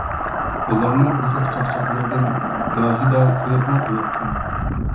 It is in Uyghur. ئۇلارنىڭ قىزىق چاقچاقلىرىدىن گاھىدا كۈلۈپمۇ قوياتتىم.